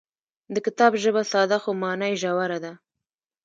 د کتاب ژبه ساده خو مانا یې ژوره ده.